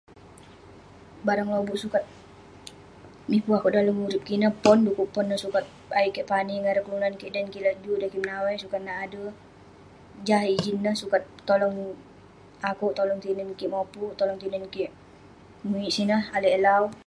Barang lobuk sukat miper akouk dalem urip kik ineh, pon. Dekuk pon ineh sukat ayuk kik pani ngan kelunan kik dan kik lak juk. Dan menawai, sukat nat ader. Jah, ijin ineh sukat tolong- akouk sukat tolong tinen kik mopuk. Tolong tinen kik muik eh sineh, ale eh lawu.